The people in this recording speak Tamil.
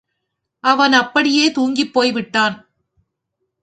அவன் அப்படியே தூங்கிப்போய்விட்டான்.